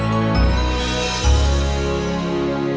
terima kasih pak imtong